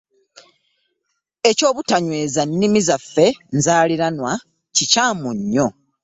Ekyobutanyweza nnimi zaffe nzaaliranwa kikyamu nnyo.